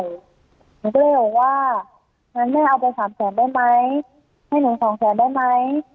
หนูก็เลยบอกว่างั้นแม่เอาไปสามแสนได้ไหมให้หนูสองแสนได้ไหม